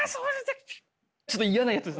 ちょっと嫌なやつですね。